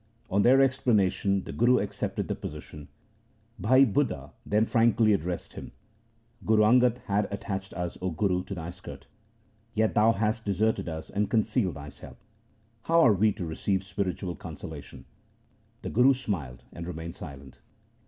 On their explanation the Guru accepted the position. Bhai Budha then frankly addressed him :' Guru Angad hath attached us, 0 Guru, to thy skirt ; yet thou hast deserted us and concealed thyself. How are we to receive spiritual consolation ?' The Guru smiled and re mained silent.